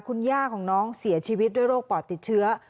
คุณย่าของน้องเสียชีวิตด้วยโรคปอดติดเชื้อ